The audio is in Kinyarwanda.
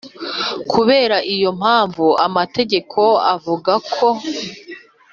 kubera iyo mpamvu amategeko avuga ko: